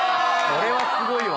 ・これはすごい！